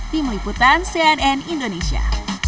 tim liputan cnn indonesia